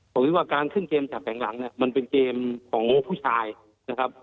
ผมคิดว่าการขึ้นเกมจับแผงหลังเนี่ยมันเป็นเกมของผู้ชายนะครับ